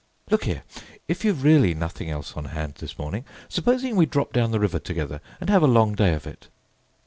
Look here! If you've really nothing else on hand this morning, supposing we drop down the river together, and have a long day of it?"